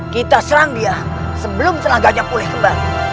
kita serang dia sebelum telah gajah pulih kembali